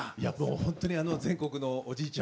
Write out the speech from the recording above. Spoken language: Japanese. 本当に全国のおじいちゃん